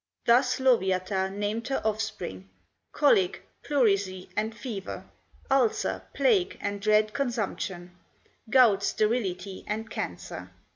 Thus Lowyatar named her offspring, Colic, Pleurisy, and Fever, Ulcer, Plague, and dread Consumption, Gout, Sterility, and Cancer.